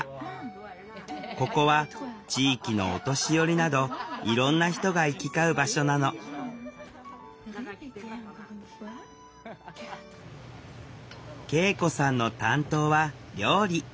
ここは地域のお年寄りなどいろんな人が行き交う場所なの圭永子さんの担当は料理。